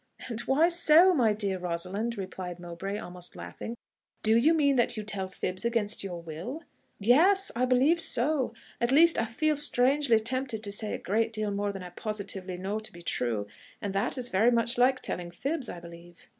"And why so, my dear Rosalind?" replied Mowbray, almost laughing. "Do you mean that you tell fibs against your will?" "Yes ... I believe so. At least, I feel strangely tempted to say a great deal more than I positively know to be true; and that is very much like telling fibs, I believe."